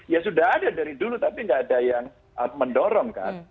ya sudah ada dari dulu tapi nggak ada yang mendorong kan